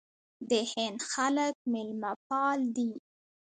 د هند خلک میلمه پال دي.